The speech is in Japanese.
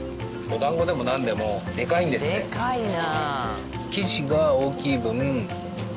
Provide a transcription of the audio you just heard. でかいな！